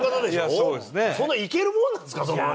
そんないけるもんなんですか？